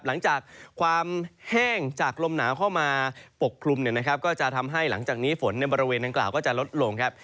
หลังจากความแห้งจากลมหนาวเข้ามาปกคลุมเนี่ยนะครับก็จะทำให้หลังจากนี้ฝนในบริเวณดังกล่าวก็จะลดลงครับ